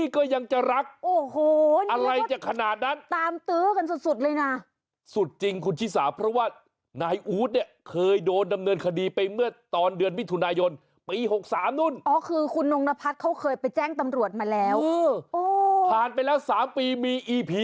เขากวางเรนเดียไง